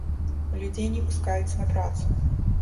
Людзей не пускаюць на працу.